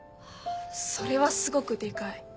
それはすごくデカい。